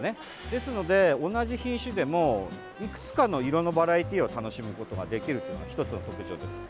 ですので、同じ品種でもいくつかの色のバラエティーを楽しむことができるというのが１つの特徴です。